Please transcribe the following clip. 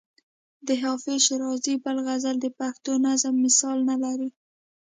د حافظ شیرازي بل غزل د پښتو نظم مثال نه لري.